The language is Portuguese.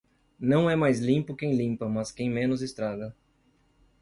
Não é mais limpo quem limpa mas quem menos estraga.